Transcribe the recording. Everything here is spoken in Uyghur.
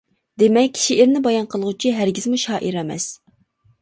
دېمەك، شېئىرنى بايان قىلغۇچى ھەرگىزمۇ شائىر ئەمەس!